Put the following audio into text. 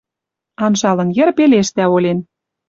Анжалын йӹр пелештӓ олен: